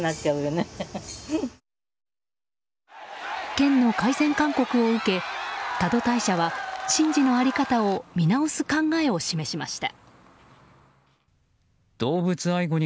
県の改善勧告を受け多度大社は神事の在り方を見直す考えを示しました。